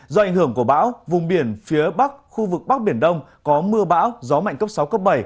do ảnh hưởng của bão vùng biển phía bắc khu vực bắc biển đông có mưa bão gió mạnh cấp sáu cấp bảy